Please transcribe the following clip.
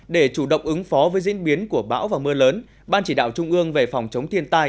để chủ động ứng phó với diễn biến của bão và mưa lớn ban chỉ đạo trung ương về phòng chống thiên tai